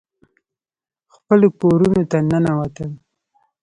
خپلو کورونو ته ننوتل.